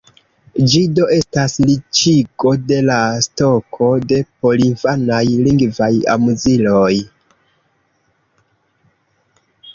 Ĝi do estas riĉigo de la stoko de porinfanaj lingvaj amuziloj.